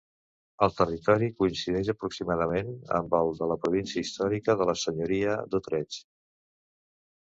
El territori coincideix aproximadament amb el de la província històrica de la senyoria d'Utrecht.